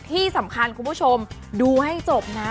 ที่สำคัญคุณผู้ชมดูให้จบนะ